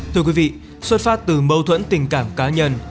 thưa quý vị xuất phát từ mâu thuẫn tình cảm cá nhân